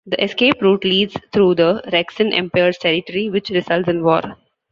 The escape route leads through the Rexxon Empire's territory, which results in war.